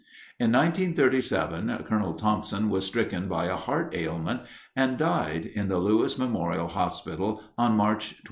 In 1937, Colonel Thomson was stricken by a heart ailment and died in the Lewis Memorial Hospital on March 23.